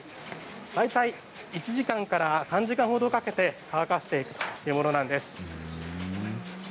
大体１時間から３時間ほどかけて乾かしていくというものなんです。